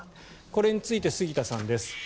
これについて杉田さんです。